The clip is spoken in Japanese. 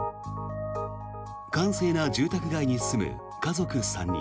閑静な住宅街に住む家族３人。